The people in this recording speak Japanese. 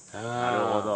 なるほど。